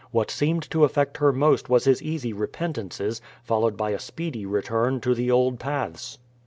What seemed to affect her most was his easy repentances, followed by a speedy return to the old paths.